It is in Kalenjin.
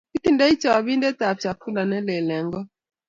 kitindoi chopindet ab chakula neleel eng kot